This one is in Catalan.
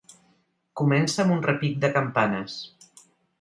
Comença amb un repic de campanes.